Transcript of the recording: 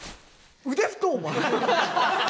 腕太っお前。